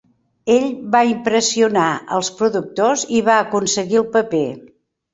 Ell va impressionar als productors i va aconseguir el paper.